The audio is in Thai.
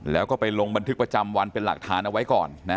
แล้วก็ไปลงบันทึกประจำวันเป็นหลักฐานเอาไว้ก่อนนะ